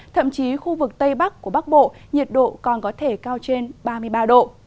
thậm chí khu vực tây bắc của bắc bộ nhiệt độ còn có thể cao trên ba mươi ba độ